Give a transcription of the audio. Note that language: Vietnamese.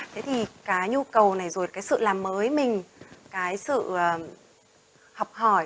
thế thì cái nhu cầu này rồi cái sự làm mới mình cái sự học hỏi